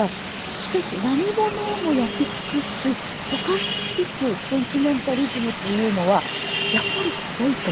しかし何ものをも焼き尽し溶かし尽すセンチメンタリズムというのはやっぱりすごいと。